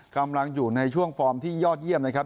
กำลังอยู่ในช่วงฟอร์มที่ยอดเยี่ยมนะครับ